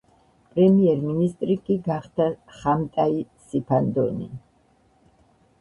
პრემიერ-მინისტრი კი გახდა ხამტაი სიფანდონი.